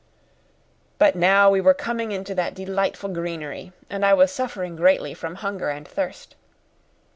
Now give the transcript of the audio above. But now we were coming into that delightful greenery, and I was suffering greatly from hunger and thirst.